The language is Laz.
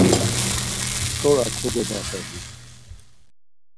t̆ora gogovaxeli.